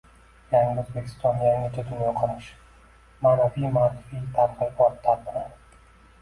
“Yangi O‘zbekiston – yangicha dunyoqarash” ma’naviy-ma’rifiy targ‘ibot tadbiri